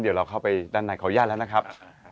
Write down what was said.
เดี๋ยวเราเข้าไปด้านในขออนุญาตแล้วนะครับ